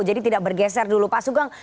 jadi tidak bergeser dulu pak sugang